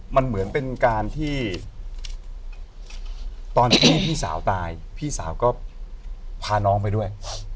มันเหมือนเป็นการที่ตอนที่พี่สาวตายพี่สาวก็พาน้องไปด้วย